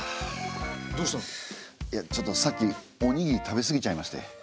いやちょっとさっきおにぎり食べ過ぎちゃいまして。